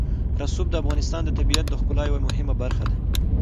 رسوب د افغانستان د طبیعت د ښکلا یوه مهمه برخه ده.